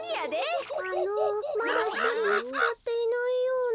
あのまだひとりみつかっていないような。